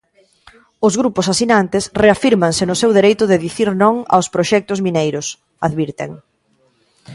"Os grupos asinantes reafírmanse no seu dereito de dicir non aos proxectos mineiros", advirten.